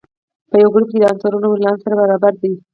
په یوه ګروپ کې د عنصرونو ولانس سره برابر دی.